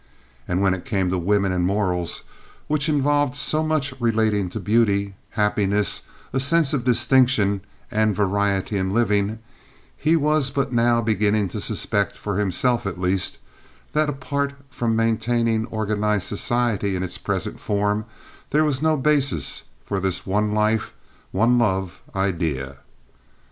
And when it came to women and morals, which involved so much relating to beauty, happiness, a sense of distinction and variety in living, he was but now beginning to suspect for himself at least that apart from maintaining organized society in its present form there was no basis for this one life, one love idea.